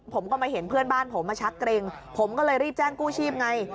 ผมก็มาเห็นเพื่อนบ้านผมมาชักเกร็งผมก็เลยรีบแจ้งกู้ชีพไง